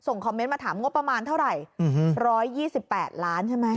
ส่งคอมเมนต์มาถามงบประมาณเท่าไรอืมร้อยยี่สิบแปดล้านใช่ไหม